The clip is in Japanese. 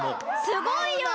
すごいよ！